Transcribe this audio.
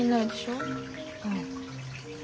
うん。